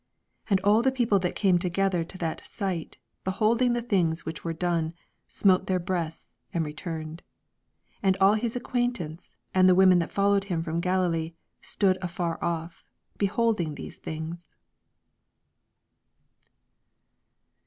48 And all the people that came tosrether to that signt, beholding the things which were done, smote their breasls, and returned. 49 And all his acquaintance, and the women that followed him from Galilee, stood afar o^, beholding these tilings.